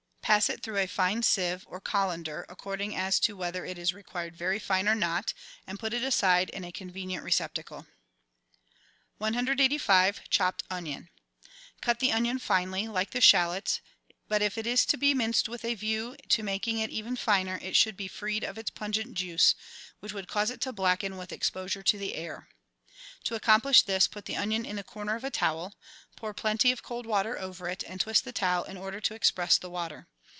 Pass it through a fine sieve or colander, according as to whether it is required very fine o^ not, and put it aside in a convenient receptacle. 76 GUIDE TO MODERN COOKERY i8s— CHOPPED ONION Cut the onion finely, like the shallots, but if it is to be minced with a view to making it even finer, it should be freed of its pungent juice, which would cause it to blacken with exposure to the air. To accomplish this, put the onion in the corner of a towel, pour plenty of cold water over it, and twist the towel in order to express the water.